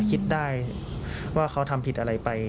คิดได้ว่าเขาทำผิดอะไรไป